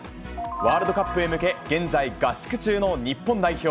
ワールドカップへ向け、現在、合宿中の日本代表。